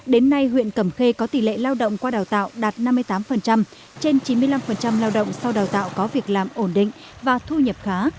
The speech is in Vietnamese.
đến nay huyện cẩm khê có tỷ lệ lao động qua đào tạo đạt năm mươi tám trên chín mươi năm lao động sau đào tạo có việc làm ổn định và thu nhập khá